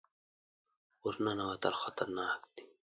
ور ننوتل خطرناک دي.